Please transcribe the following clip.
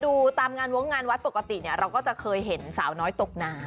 ดูตามงานวงงานวัดปกติเนี่ยเราก็จะเคยเห็นสาวน้อยตกน้ำ